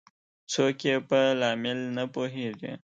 څوک یې په لامل نه پوهیږي